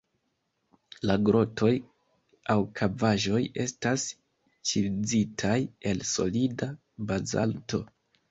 La grotoj aŭ kavaĵoj estas ĉizitaj el solida bazalto.